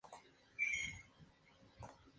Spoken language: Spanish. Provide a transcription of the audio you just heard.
No hubo personas heridas.